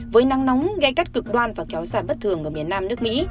với năng nóng gây cắt cực đoan và kéo xả bất thường ở miền nam nước mỹ